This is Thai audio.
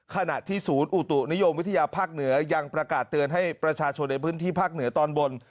ขณะที่ศูนย์อุตุนิยมวิทยาภาคเหนือยังประกาศเตือนให้ประชาชนในพื้นที่ภาคเหนือตอนบน